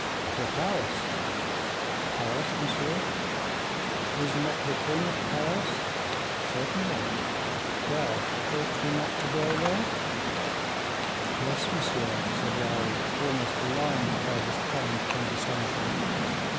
"For Paris." "Paris, monsieur?" "Is not the king at Paris?" "Certainly." "Well, ought we not to go there?" "Yes, monsieur," said Raoul, almost alarmed by this kind condescension.